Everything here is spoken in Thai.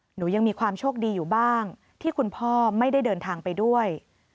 หนูยังมีความโชคดีอยู่บ้างที่คุณพ่อไม่ได้เดินทางไปด้วย